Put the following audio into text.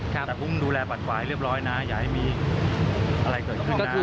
แต่พวกมันดูแลบัตรฝ่ายเรียบร้อยนะอย่าให้มีอะไรเกิดขึ้นนะ